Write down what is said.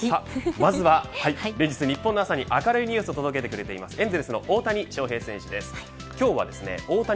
まずは連日日本の朝に明るいニュースを届けてくれているエンゼルスの大谷翔平選手です。